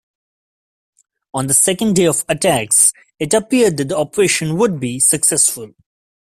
On the second day of attacks, it appeared that the operation would be successful.